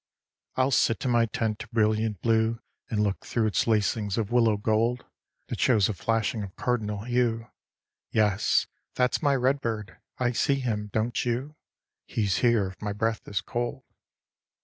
I'll sit in my tent of brilliant blue And look through its lacings of willow gold, That shows a flashing of cardinal hue. Yes, that's my redbird—I see him. Don't you? He's here if my breath is cold.